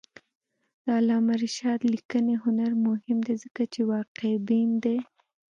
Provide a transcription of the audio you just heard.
د علامه رشاد لیکنی هنر مهم دی ځکه چې واقعبین دی.